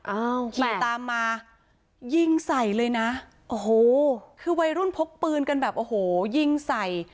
อ้าวขี่ตามมายิงใส่เลยนะโอ้โหคือวัยรุ่นพกปืนกันแบบโอ้โหยิงใส่